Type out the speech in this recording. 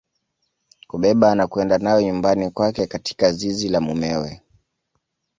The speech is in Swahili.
Kubeba na kwenda nayo nyumbani kwake katika zizi la mumewe